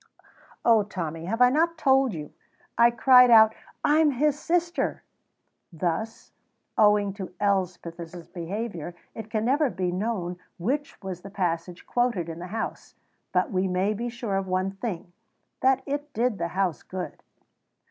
"Oh, Tommy, have I not told you? I cried out, 'I'm his sister.'" Thus, owing to Elspeth's behaviour, it can never be known which was the passage quoted in the House; but we may be sure of one thing that it did the House good.